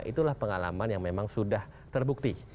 itulah pengalaman yang memang sudah terbukti